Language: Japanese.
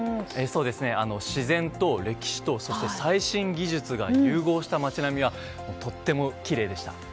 自然と歴史と、そして最新技術が融合した街並みはとってもきれいでした。